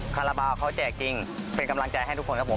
คาราบาลเขาแจกจริงเป็นกำลังใจให้ทุกคนครับผม